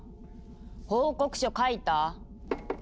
報告書書いた？